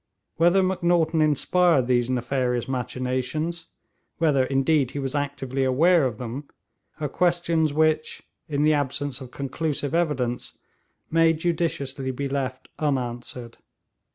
Whether Macnaghten inspired those nefarious machinations, whether indeed he was actively aware of them, are questions which, in the absence of conclusive evidence, may judiciously be left unanswered.